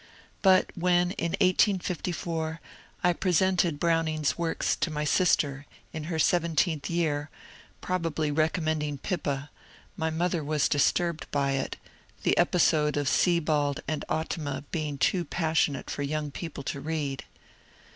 But when, in 1854, I presented Browning's works to my sister (in her seventeenth year), probably recom mending Pippa, my mother was disturbed by it, the episode of Sebald and Ottima being too passionate for young people to read.